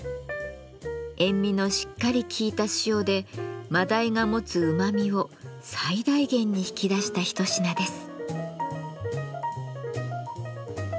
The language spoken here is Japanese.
塩味のしっかりきいた塩でマダイが持つうまみを最大限に引き出した一品です。